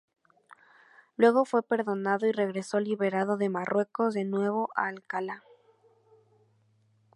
Luego fue perdonado y regresó liberado de Marruecos de nuevo a Alcalá.